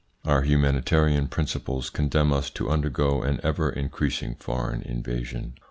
Our humanitarian principles condemn us to undergo an ever increasing foreign invasion.